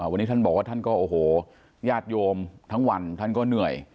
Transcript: วันนี้ท่านบอกว่าท่านก็โอ้โหญาติโยมทั้งวันท่านก็เหนื่อย